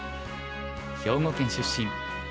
兵庫県出身